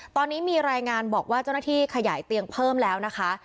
ตอนนี้มีรายงานบอกว่าเจ้าหน้าที่ขยายเตียงเพิ่มแล้วนะคะ